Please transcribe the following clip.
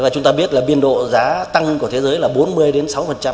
chúng ta biết là biên độ giá tăng của thế giới là bốn mươi đến sáu